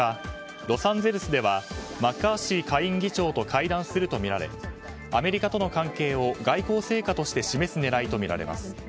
ロサンゼルスではマッカーシー下院議長と会談するとみられアメリカとの関係を外交成果として示す狙いとみられます。